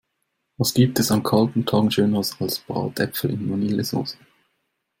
Was gibt es an kalten Tagen schöneres als Bratäpfel in Vanillesoße!